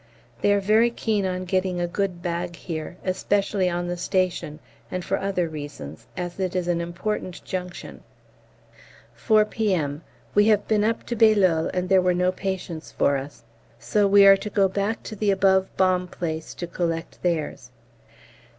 They are very keen on getting a good bag here, especially on the station, and for other reasons, as it is an important junction. 4 P.M. We have been up to B. and there were no patients for us, so we are to go back to the above bomb place to collect theirs.